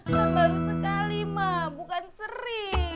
yang baru sekali mak bukan sering